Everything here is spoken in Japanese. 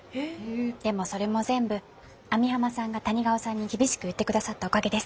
でもそれも全部網浜さんが谷川さんに厳しく言って下さったおかげです。